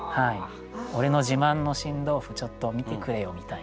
「俺の自慢の新豆腐ちょっと見てくれよ」みたいな。